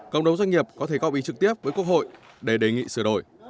cộng đồng doanh nghiệp có thể có ý trực tiếp với quốc hội để đề nghị sửa đổi